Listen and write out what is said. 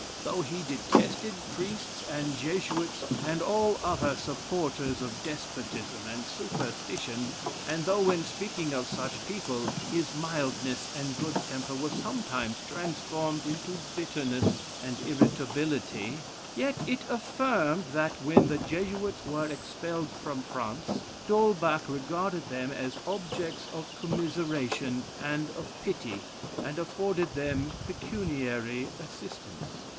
Though he detested priests and Jesuits, and all other supporters of despotism and superstition; and though when speaking of such people, his mildness and good temper were sometimes transformed into bitterness and irritability; yet it is affirmed that when the Jesuits were expelled from France, D'Holbach regarded them as objects of commiseration and of pity, and afforded them pecuniary assistance."